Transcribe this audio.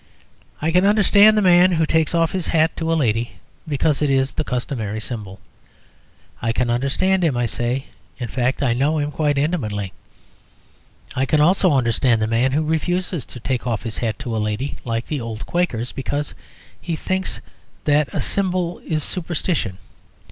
I can understand the man who takes off his hat to a lady because it is the customary symbol. I can understand him, I say; in fact, I know him quite intimately. I can also understand the man who refuses to take off his hat to a lady, like the old Quakers, because he thinks that a symbol is superstition.